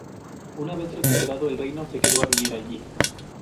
Una vez recuperado el reino se quedó a vivir allí.